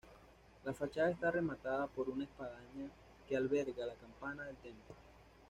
La fachada está rematada por una espadaña que alberga la campana del templo.